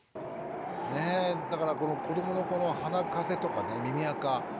ねえだからこの子どものこの鼻風邪とかね耳あか。